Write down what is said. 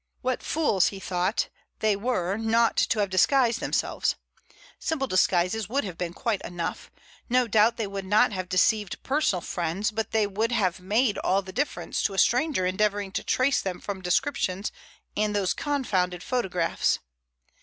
What fools, he thought, they were not to have disguised themselves! Simple disguises would have been quite enough. No doubt they would not have deceived personal friends, but they would have made all the difference to a stranger endeavoring to trace them from descriptions and those confounded photographs.